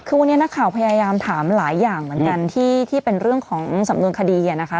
คือวันนี้นักข่าวพยายามถามหลายอย่างเหมือนกันที่เป็นเรื่องของสำนวนคดีนะคะ